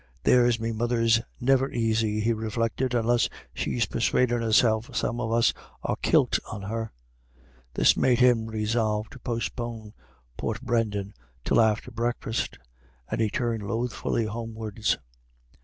"There's me mother's never aisy," he reflected, "unless she's persuadin' herself some of us are kilt on her." This made him resolve to postpone Portbrendan till after breakfast, and he turned lothfully homewards.